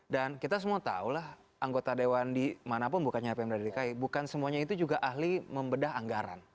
dan kita semua tahulah anggota dewan di mana pun bukan apbd bukan semuanya itu juga ahli membedah anggaran